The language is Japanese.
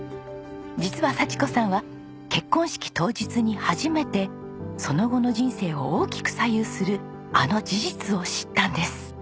実は佐智子さんは結婚式当日に初めてその後の人生を大きく左右するあの事実を知ったんです。